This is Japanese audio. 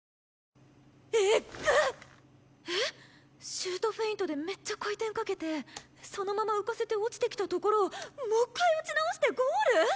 シュートフェイントでめっちゃ回転かけてそのまま浮かせて落ちてきたところをもう１回撃ち直してゴール！？